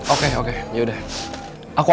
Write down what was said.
oke oke yaudah aku anterin tante ke tempatnya mona